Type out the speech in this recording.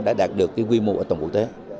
đã đạt được quy mô ở toàn quốc tế